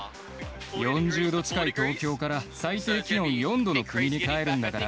４０度近い東京から最低気温４度の国に帰るんだから。